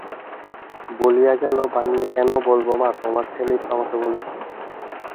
বলিয়া গেল, বানিয়ে কেন বলব মা, তোমার ছেলেই তো আমাকে বলছিল।